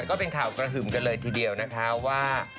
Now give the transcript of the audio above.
ก็เป็นข่าวกระหึ่มกันเลยทีเดียวนะคะว่า